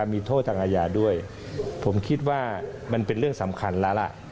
มีโทษทางอาญาด้วยผมคิดว่ามันเป็นเรื่องสำคัญแล้วล่ะ